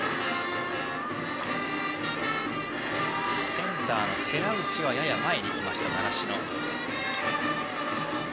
センターの寺内はやや前に来ました習志野。